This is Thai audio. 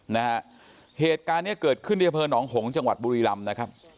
นะฮะเหตุการณ์เนี้ยเกิดขึ้นที่อำเภอหนองหงษ์จังหวัดบุรีรำนะครับ